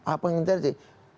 apa yang terjadi